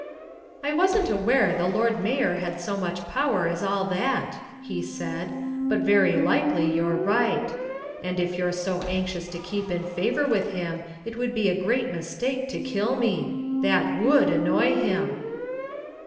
"I wasn't aware the Lord Mayor had so much power as all that," he said; "but very likely you're right. And if you're so anxious to keep in favour with him, it would be a great mistake to kill me. That would annoy him."